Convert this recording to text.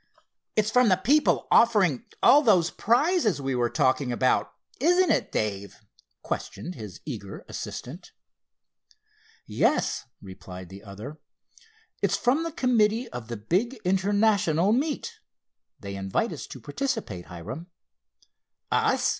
"It's from the people offering all those prizes we were talking about; isn't it, Dave?" questioned his eager assistant. "Yes," replied the other, "it's from the committee of the big International meet. They invite us to participate, Hiram." "Us?"